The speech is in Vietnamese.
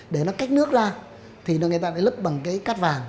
để nó cách nước ra thì người ta lại lấp bằng cát vàng